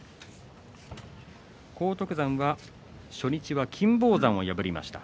荒篤山は初日は金峰山を破りました。